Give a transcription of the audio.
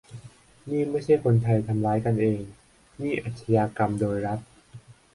"นี่ไม่ใช่คนไทยทำร้ายกันเอง นี่อาชญากรรมโดยรัฐ"